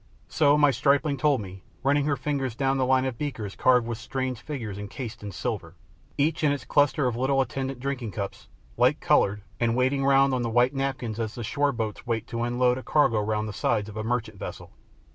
So my stripling told me, running her finger down the line of beakers carved with strange figures and cased in silver, each in its cluster of little attendant drinking cups, like coloured, and waiting round on the white napkins as the shore boats wait to unload a cargo round the sides of a merchant vessel.